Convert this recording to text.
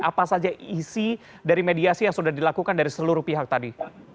apa saja isi dari mediasi yang sudah dilakukan dari seluruh pihak tadi